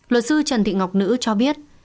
phật sư trần thị ngọc nữ cho biết